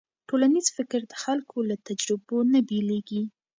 ټولنیز فکر د خلکو له تجربو نه بېلېږي.